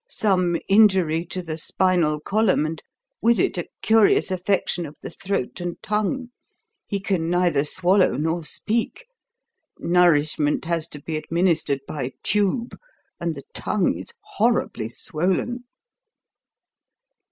Some injury to the spinal column, and with it a curious affection of the throat and tongue. He can neither swallow nor speak. Nourishment has to be administered by tube, and the tongue is horribly swollen."